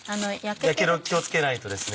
やけど気を付けないとですね